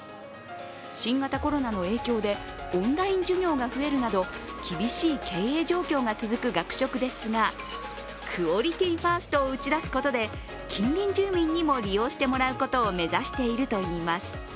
新型コロナの影響でオンライン授業が増えるなど厳しい経営状況が続く学食ですが、クオリティーファーストを打ち出すことで近隣住民にも利用してもらうことを目指しているといいます。